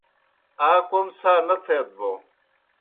آ کوْم څھا نہ تھیت بوْ